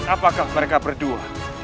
apakah mereka berdua